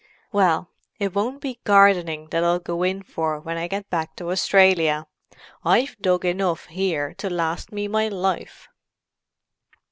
"Well, it won't be gardening that I'll go in for when I get back to Australia; I've dug enough here to last me my life!"